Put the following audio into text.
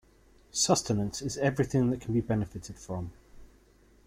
Sustenance is everything that can be benefited from.